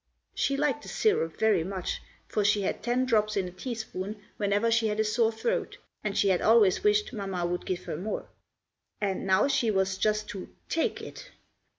She liked the syrup very much, for she had ten drops in a teaspoon whenever she had a sore throat, and she had always wished Mamma would give her more. And now she was just to "take it."